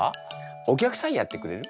お客さんやってくれる？